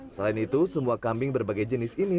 selain itu semua kambing berbagai jenis ini